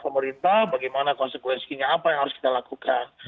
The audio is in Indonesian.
pemerintah bagaimana konsekuensinya apa yang harus kita lakukan